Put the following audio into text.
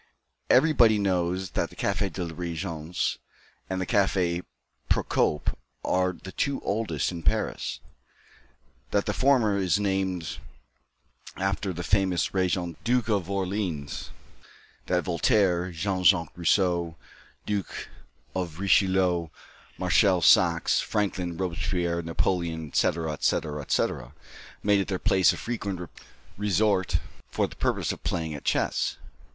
Everybody knows that the Café de la Régence and the Café Procope are the two oldest in Paris; that the former is so named after the famous Regent Duke of Orleans; that Voltaire, Jean Jacques Rousseau, Duke of Richelieu, Marshall Saxe, Franklin, Robespierre, Napoleon, etc., etc., etc., made it their place of frequent resort for the purpose of playing at chess.